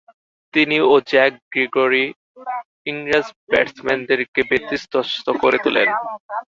তিনি ও Jack Gregory ইংরেজ ব্যাটসম্যানদেরকে ব্যতিব্যস্ত করে তুলেন।